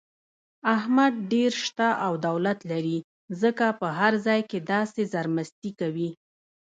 احمد ډېر شته او دولت لري، ځکه په هر ځای کې داسې زرمستي کوي.